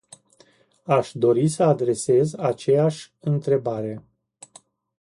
Aș dori să adresez aceeași întrebare.